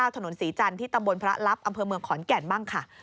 ถนนศรีจันทร์ที่ตำบลพระลับอำเภอเมืองขอนแก่นบ้างค่ะ